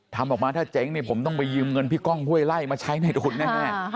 ทำออกมาถ้าเจ๊งเนี่ยผมต้องไปยืมเงินพี่ก้องห้วยไล่มาใช้ในทุนแน่